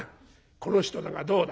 『この人だがどうだ？』。